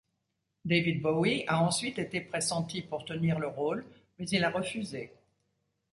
David Bowie a ensuite été pressenti pour tenir le rôle, mais il a refusé.